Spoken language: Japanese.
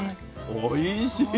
おいしい！